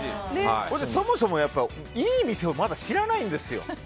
そもそも、いい店をあまり知らないんですよ。